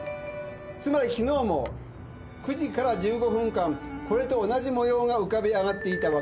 つまりきのうも９時から１５分間これと同じ模様が浮かび上がっていたわけです。